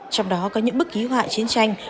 trong đó có những bức ký hoại chiến tranh